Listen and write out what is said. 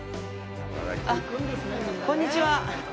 あっ、こんにちは。